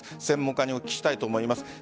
専門家にお聞きしたいと思います。